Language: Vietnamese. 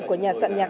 của nhà soạn nhạc